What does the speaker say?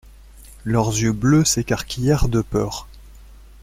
Leurs yeux bleus s'écarquillèrent de peur.